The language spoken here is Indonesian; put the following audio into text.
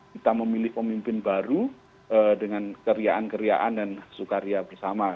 kita memilih pemimpin baru dengan keriaan keriaan dan sukaria bersama